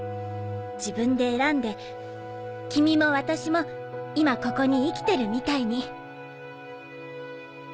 自分で選んで君も私も今ここに生きてるみたいに。